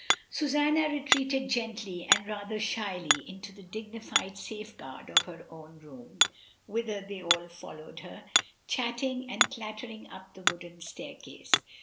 Susanna retreated gently and rather shyly into the dignified safeguard of her own room, whither they all followed her, chattering and clattering up the wooden staircase.